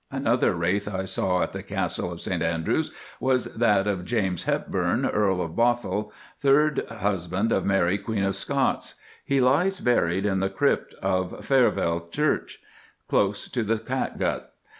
Another wraith I saw at the Castle of St Andrews was that of James Hepburn, Earl of Bothwell, third husband of Mary Queen of Scots. He lies buried in the crypt of Faarveile Church, close to the cattegut.